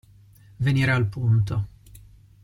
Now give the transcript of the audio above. Venire al punto.